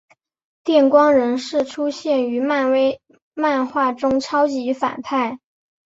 电光人是出现于漫威漫画中超级反派。